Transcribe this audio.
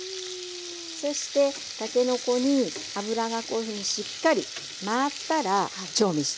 そしてたけのこに脂がこういうふうにしっかり回ったら調味していきますね。